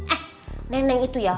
eh neneng itu ya